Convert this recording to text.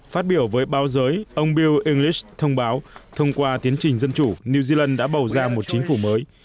phát biểu với báo giới ông buil english thông báo thông qua tiến trình dân chủ new zealand đã bầu ra một chính phủ mới